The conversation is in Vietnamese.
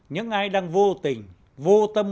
những ai đang vô tình vô tâm